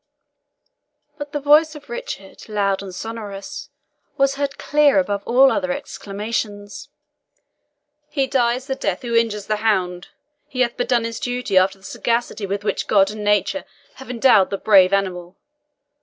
But the voice of Richard, loud and sonorous, was heard clear above all other exclamations. "He dies the death who injures the hound! He hath but done his duty, after the sagacity with which God and nature have endowed the brave animal.